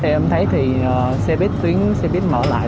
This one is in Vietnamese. em thấy thì xe buýt tuyến xe buýt mở lại